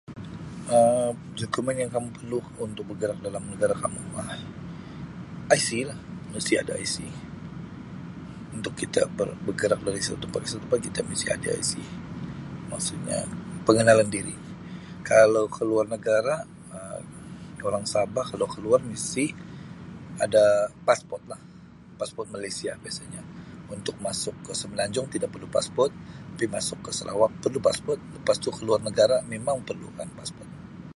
Um Dokumen yang kamu perlukan untuk bergerak dalam negera kamu Um IC lah, mesti ada IC. Untuk kita ber-bergerak dari satu tempat ke satu tempat kita mesti ada IC. Maksudnya pengenalan diri kalau keluar negara Um orang Sabah kalau keluar memang mesti ada pasport lah, pasport Malaysia biasanya untuk masuk ke semenanjung tidak perlu pasport tapi masuk ke Sarawak perlu pasport lepas tu keluar negara memang perlukan pasport.